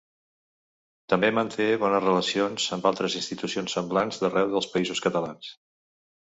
També manté bones relacions amb altres institucions semblants d'arreu dels Països Catalans.